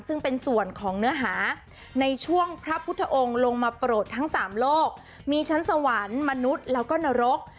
ซึ่งเป็นส่วนของเนื้อหาในช่วงพระพุทธองค์ลงมาโปรดทั้งสามโลกมีชั้นสวรรค์มนุษย์แล้วก็นรก